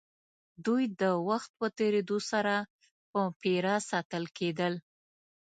دوی د وخت په تېرېدو سره په پېره ساتل کېدل.